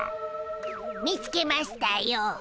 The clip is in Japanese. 見つけましたよ。